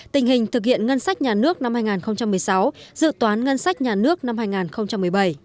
tình hình thực hiện ngân sách nhà nước năm hai nghìn một mươi sáu dự toán ngân sách nhà nước năm hai nghìn một mươi bảy